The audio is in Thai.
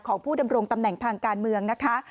ผู้ดำรงตำแหน่งทางการเมืองนะคะ